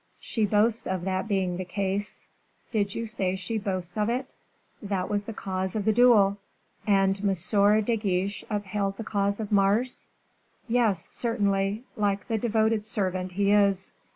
"She boasts of that being the case." "Did you say she boasts of it?" "That was the cause of the duel." "And M. de Guiche upheld the cause of Mars?" "Yes, certainly; like the devoted servant he is."